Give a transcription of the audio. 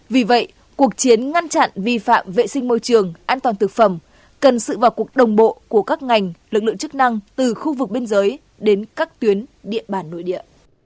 vì vậy cuộc chiến ngăn chặn vi phạm vệ sinh môi trường an toàn thực phẩm cần sự vào cuộc đồng bộ của các ngành lực lượng chức năng từ khu vực biên giới đến các tuyến địa bàn nội địa